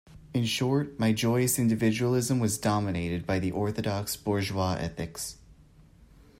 In short, my joyous individualism was dominated by the orthodox bourgeois ethics.